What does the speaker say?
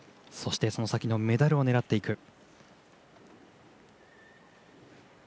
そして、その先のメダルを狙っていく。